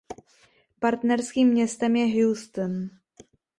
Partnerským městem je Houston.